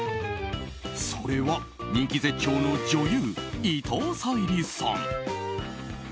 それは人気絶頂の女優伊藤沙莉さん。